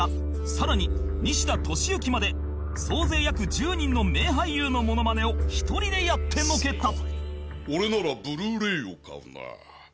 さらに西田敏行まで総勢約１０人の名俳優のモノマネを１人でやってのけた